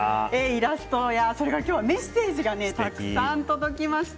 イラストや、それからメッセージがたくさん届きました。